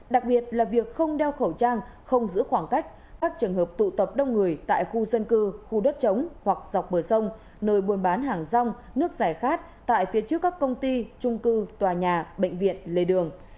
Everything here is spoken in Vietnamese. đặc biệt là việc không đeo khẩu trang không giữ khoảng cách các trường hợp tụ tập đông người tại khu dân cư khu đất chống hoặc dọc bờ sông nơi buôn bán hàng rong nước giải khát tại phía trước các công ty trung cư tòa nhà bệnh viện lê đường